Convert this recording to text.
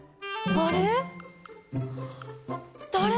あれ？